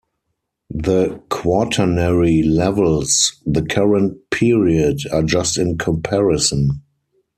The Quaternary levels, the current period, are just in comparison.